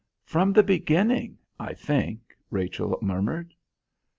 "From the beginning, I think," Rachel murmured.